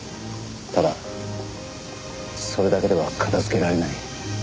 ただそれだけでは片づけられない。